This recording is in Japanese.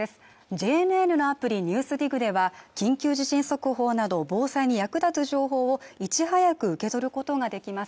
ＪＮＮのアプリ「ＮＥＷＳＤＩＧ」では緊急地震速報など防災に役立つ情報をいち早く受け取ることができます